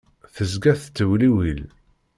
Tezga tettewliwil.